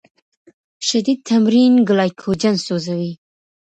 شدید تمرین ګلایکوجن سوځوي.